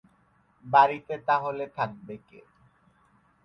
বাড়িতে তা হলে থাকবে কে?